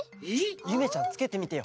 ゆめちゃんつけてみてよ。